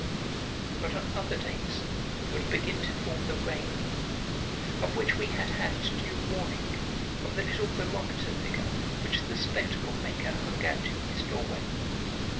But on other days would begin to fall the rain, of which we had had due warning from the little barometer figure which the spectacle maker hung out in his doorway.